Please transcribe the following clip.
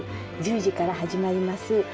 １０時から始まります